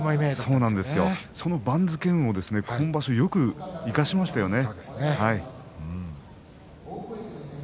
その番付を今場所よく生かしましたよね。